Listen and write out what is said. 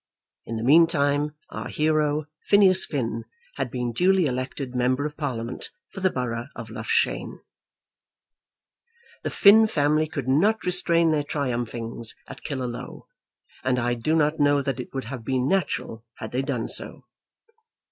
In the meantime, our hero, Phineas Finn, had been duly elected member of Parliament for the borough of Loughshane. The Finn family could not restrain their triumphings at Killaloe, and I do not know that it would have been natural had they done so.